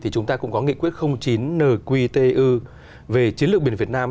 chúng ta cũng có nghị quyết chín nqtu về chiến lược biển việt nam